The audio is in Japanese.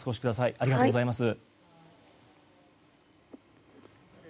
ありがとうございます。